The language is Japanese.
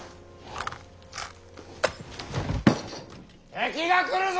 敵が来るぞ！